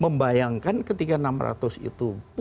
membayangkan ketika enam ratus itu